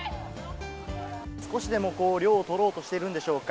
少しでも涼をとろうとしているんでしょうか。